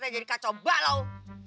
umi teh jadi kacau balau